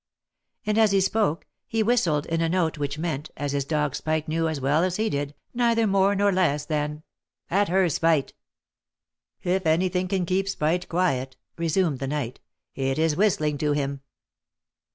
And as he spoke, he whistled in a note which meant, as his dog Spite knew as well as he did, neither more nor less than —" At her, Spite !"" If any thing can keep Spite quiet," resumed the knight, " it is whistling to him."